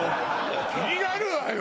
気になるわよ！